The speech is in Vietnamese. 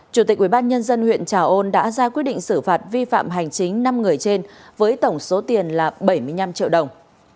chủ tịch ubnd huyện trà ôn đã ra quyết định xử phạt vi phạm hành chính năm người trên với tổng số tiền là bảy mươi năm triệu đồng